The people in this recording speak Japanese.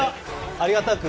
ありがたく。